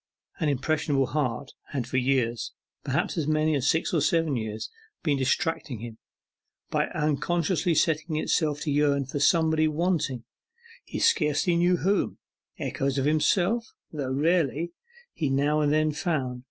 An impressionable heart had for years perhaps as many as six or seven years been distracting him, by unconsciously setting itself to yearn for somebody wanting, he scarcely knew whom. Echoes of himself, though rarely, he now and then found.